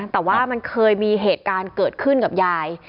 แต่ว่ามันเคยมีเหตุการณ์เกิดขึ้นกับยาย